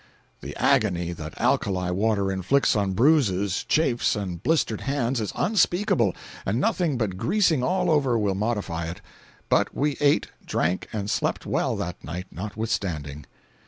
The agony that alkali water inflicts on bruises, chafes and blistered hands, is unspeakable, and nothing but greasing all over will modify it—but we ate, drank and slept well, that night, notwithstanding.